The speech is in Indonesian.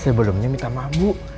sebelumnya minta maaf bu